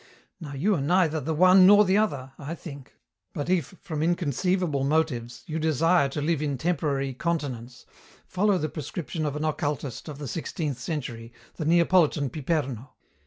Now you are neither the one nor the other, I think, but if, from inconceivable motives, you desire to live in temporary continence, follow the prescription of an occultist of the sixteenth century, the Neapolitan Piperno.